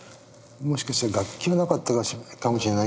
もしかしたら楽器はなかったかもしれないけども。